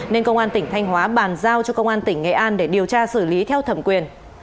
nên công an tỉnh thanh hóa bàn giao cho công an tỉnh nghệ an để điều tra xử lý theo thẩm quyền